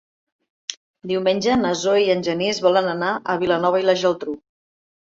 Diumenge na Zoè i en Genís volen anar a Vilanova i la Geltrú.